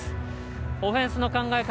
オフェンスの考え方